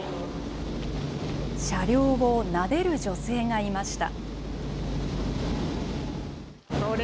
車両をなでる女性がいました。